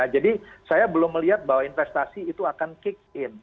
jadi saya belum melihat bahwa investasi itu akan kick in